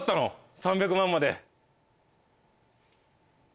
３００万まで。